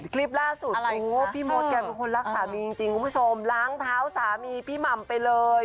คลิปล่าสุดพี่มดเกิดก็คิดว่ารักสามีจริงคุณผู้ชมล้างเท้าสามีพี่มัมไปเลย